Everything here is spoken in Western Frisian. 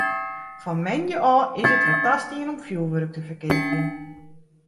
Fan moandei ôf is it wer tastien om fjoerwurk te ferkeapjen.